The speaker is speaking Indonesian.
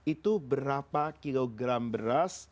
itu berapa kilogram beras